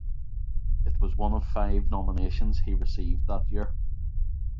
It was one of five nominations he received that year.